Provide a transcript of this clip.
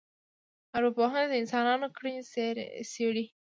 ارواپوهنه د انسانانو کړنې څېړي